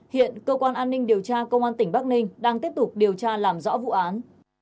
hiện cơ quan an ninh điều tra công an tỉnh bắc ninh đang tiếp tục điều tra làm rõ vụ án